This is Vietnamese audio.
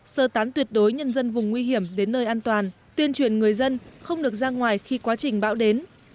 sơ tán tuyệt đối nhân dân vùng nguy hiểm đến nơi an toàn tuyên truyền người dân không được ra ngoài khi quá trình bão đến